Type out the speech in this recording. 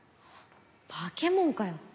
化け物かよ。